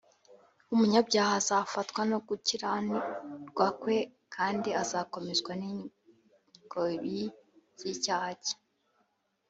umunyabyaha azafatwa no gukiranirwa kwe, kandi azakomezwa n’ingoyi z’icyaha cye